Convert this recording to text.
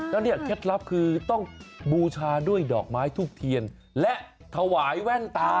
แล้วเนี่ยเคล็ดลับคือต้องบูชาด้วยดอกไม้ทูบเทียนและถวายแว่นตา